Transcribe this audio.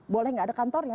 boleh gak ada kantornya